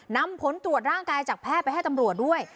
นำผลตรวจร่างกายจากแพทย์ไปให้ตำรวจด้วย